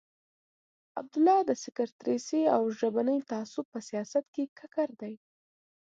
عبدالله د سکتریستي او ژبني تعصب په سیاست کې ککړ دی.